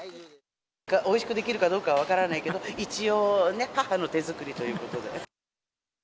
おいしくできるかどうかは分からないけど、一応、ね、母の手作りということで。